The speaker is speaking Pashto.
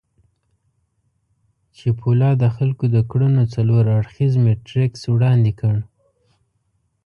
چیپولا د خلکو د کړنو څلور اړخييز میټریکس وړاندې کړ.